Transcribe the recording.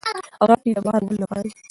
غاتري د بار وړلو لپاره دي.